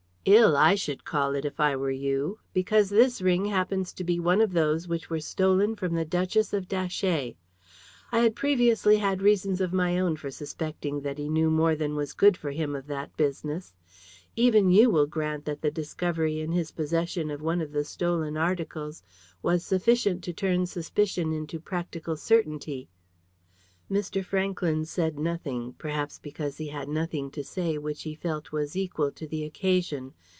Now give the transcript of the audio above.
"Ill, I should call it, if I were you, because this ring happens to be one of those which were stolen from the Duchess of Datchet. I had previously had reasons of my own for suspecting that he knew more than was good for him of that business; even you will grant that the discovery in his possession of one of the stolen articles was sufficient to turn suspicion into practical certainty." Mr. Franklyn said nothing, perhaps because he had nothing to say which he felt was equal to the occasion.